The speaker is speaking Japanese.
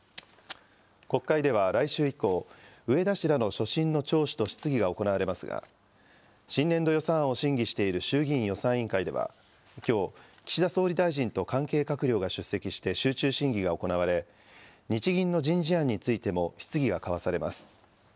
国会では来週以降、植田氏らの所信の聴取と質疑が行われますが、新年度予算案を審議している衆議院予算委員会では、きょう、岸田総理大臣と関係閣僚が出席して集中審議が行われ、日銀の人事案についても質疑が交わされます。